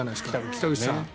北口さん。